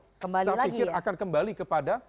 saya pikir akan kembali kepada